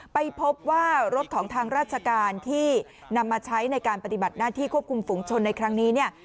ไปพบว่ารถของทางราชการที่นำมาใช้ในการปฏิบัติหน้าที่ควบคุมฝุงชนในครั้งนี้เนี่ย